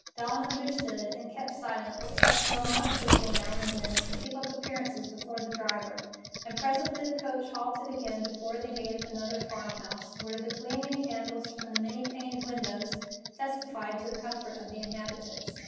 Dawn understood, and kept silent except for a monosyllable now and then, to keep up appearances before the driver, and presently the coach halted again before the gate of another farm house, where the gleaming candles from the many paned windows testified to the comfort of the inhabitants.